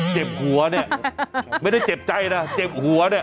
เจ็บหัวเนี่ยไม่ได้เจ็บใจนะเจ็บหัวเนี่ย